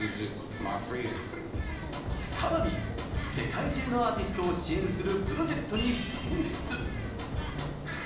さらに世界中のアーティストを支援するプロジェクトに選出。